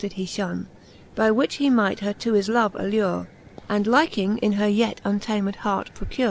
did he flionne, By which he might her to his love allure, And liking in her yet untamed heart procure.